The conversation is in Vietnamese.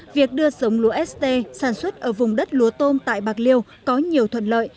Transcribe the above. việc đưa giống lúa st sản xuất ở vùng đất lúa tôm tại bạc liêu có nhiều thuận lợi